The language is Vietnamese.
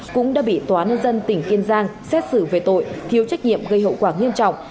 cũng đã bị tòa nhân dân tỉnh kiên giang xét xử về tội thiếu trách nhiệm gây hậu quả nghiêm trọng